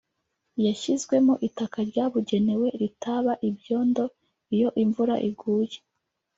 yashyizwemo itaka ryabugenewe ritaba ibyondo iyo imvura iguye